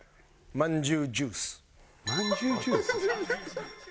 「まんじゅうジュース」。